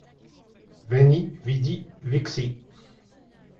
Veni, vidi, vixi